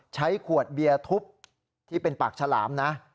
ใช้ขวดเบียร์ทุบที่เป็นปากฉลามนะ